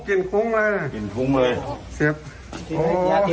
กลิ่มเขราะหน่อย